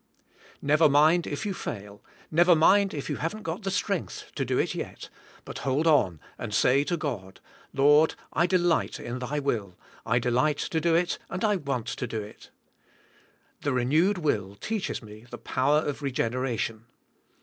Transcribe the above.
" Never mind if you fail, never mind if you haven't got the strength to do it yet^ but hold on and say to God, "Lord, I delight in Thy will, I delight to do it and I want to do it." The re newed will teaches me the power of regeneration.